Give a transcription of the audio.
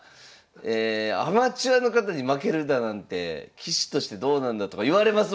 アマチュアの方に負けるだなんて棋士としてどうなんだとか言われますもんね。